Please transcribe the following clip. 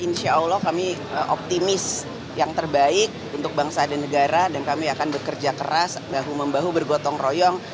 insya allah kami optimis yang terbaik untuk bangsa dan negara dan kami akan bekerja keras bahu membahu bergotong royong